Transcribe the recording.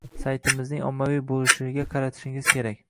saytingizning ommaviy bo’lishiga qaratishingiz kerak